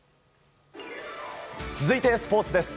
続いてスポーツです。